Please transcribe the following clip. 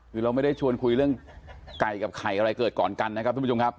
คือเราไม่ได้ชวนคุยเรื่องไก่กับไข่อะไรเกิดก่อนกันนะครับทุกผู้ชมครับ